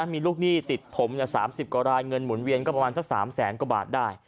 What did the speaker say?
มีลูกหนี้ติดผม๓๐กว่ารายเงินหมุนเวียนก็ประมาณสัก๓แสนกว่าบาทได้